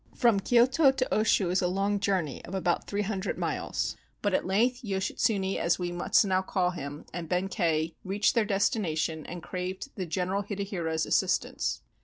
From Kyoto to Oshu is a long journey of about three hundred miles, but at length Yoshitsune (as we must now call him) and Benkei reached their destination and craved the General Hidehira's assistance.